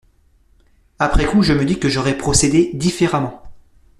Après-coup, je me dis que j'aurais procédé différemment.